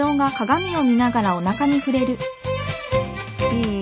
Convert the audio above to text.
うん。